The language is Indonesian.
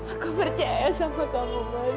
aku percaya sama kamu